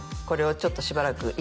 「これをちょっとしばらく」